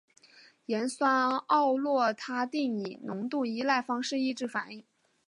盐酸奥洛他定以浓度依赖方式抑制反应。